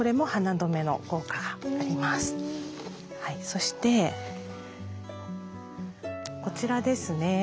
そしてこちらですね。